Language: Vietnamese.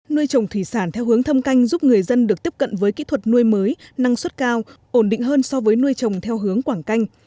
nuôi trồng thủy sản theo hướng thâm canh giúp người dân được tiếp cận với kỹ thuật nuôi mới năng suất cao ổn định hơn so với nuôi trồng theo hướng quảng canh